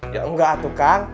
ya enggak tuh kang